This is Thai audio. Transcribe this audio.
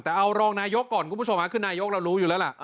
แต่เอารองนายกก่อนคุณผู้ชมคือนายกเรารู้อยู่แล้วล่ะ